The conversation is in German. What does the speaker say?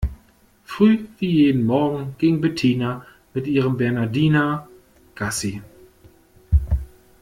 Früh wie jeden Morgen ging Bettina mit ihrem Bernhardiner Gassi.